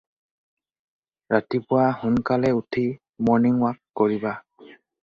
ৰাতিপুৱা সোনকালে উঠি মৰ্ণিং ৱ'ক কৰিবা।